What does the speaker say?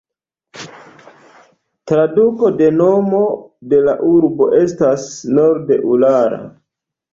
Traduko de nomo de la urbo estas "nord-Urala".